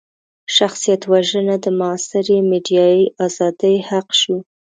شخصيت وژنه د معاصرې ميډيايي ازادۍ حق شو.